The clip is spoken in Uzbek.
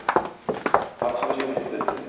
Marosim ajoyib oʻtibdi.